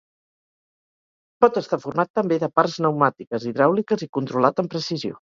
Pot estar format també de parts pneumàtiques, hidràuliques i controlat amb precisió.